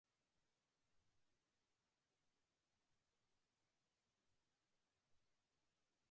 Archival collections related to Burt in the United Kingdom.